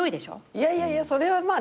いやいやいやそれはまあ。